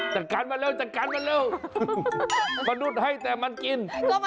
จัดการกันมาเร็วไม่ลุดให้แต่มันกิน